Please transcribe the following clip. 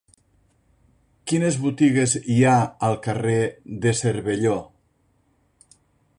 Quines botigues hi ha al carrer de Cervelló?